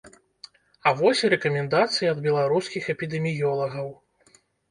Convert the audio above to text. А вось і рэкамендацыі ад беларускіх эпідэміёлагаў.